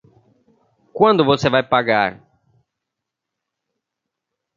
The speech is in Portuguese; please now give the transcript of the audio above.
Quando você vai pagar?